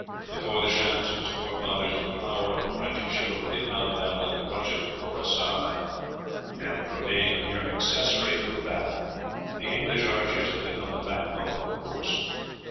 Before the shafts of his forefathers the flower of the French chivalry had gone down like rushes before a scythe, and from being a mere accessory to a battle the English archers had become the backbone of the force.